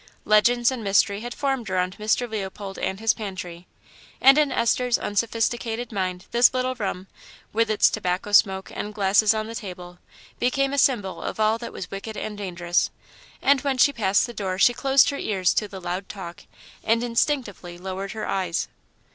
Legends and mystery had formed around Mr. Leopold and his pantry, and in Esther's unsophisticated mind this little room, with its tobacco smoke and glasses on the table, became a symbol of all that was wicked and dangerous; and when she passed the door she closed her ears to the loud talk and instinctively lowered her eyes.